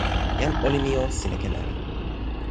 jan olin mi o, sina ken ala.